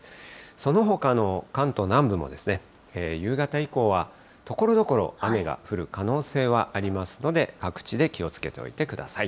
そのほかの関東南部も、夕方以降は、ところどころ雨が降る可能性はありますので、各地で気をつけておいてください。